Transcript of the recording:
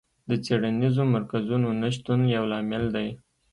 د څېړنیزو مرکزونو نشتون یو لامل دی.